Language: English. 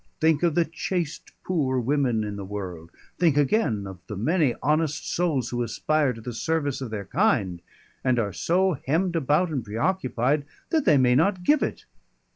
Think of the chaste poor women in the world! Think again of the many honest souls who aspire to the service of their kind, and are so hemmed about and preoccupied that they may not give it!